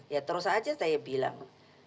ya terus aja saya bilang